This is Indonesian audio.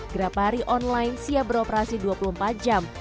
grapari online siap beroperasi dua puluh empat jam